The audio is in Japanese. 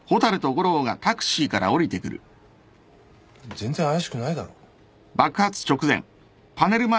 全然怪しくないだろ。